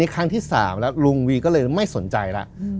ครั้งที่๓แล้วลุงวีก็เลยไม่สนใจแล้ว